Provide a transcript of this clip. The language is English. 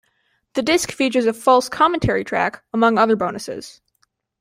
The disc featured a false commentary track, among other bonuses.